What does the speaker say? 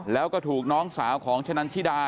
แล้วก็ถูกน้องสาวของชะนันชิดา